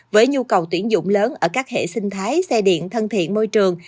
với nhu cầu tuyển dụng lớn ở các hệ sinh thái xe điện thân thiện môi trường